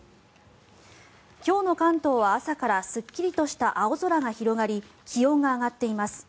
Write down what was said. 今日の関東は朝からすっきりとした青空が広がり気温が上がっています。